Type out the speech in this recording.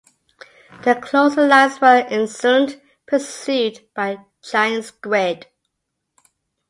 The closing lines were, Exeunt, pursued by a giant squid.